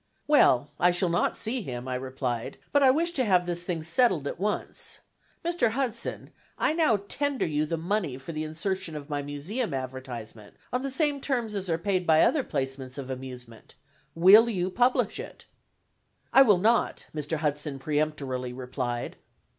"Well, I shall not see him," I replied; "but I wish to have this thing settled at once. Mr. Hudson, I now tender you the money for the insertion of my Museum advertisement on the same terms as are paid by other places of amusement, will you publish it?" "I will not," Mr. Hudson peremptorily replied.